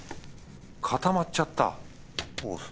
固まっちゃった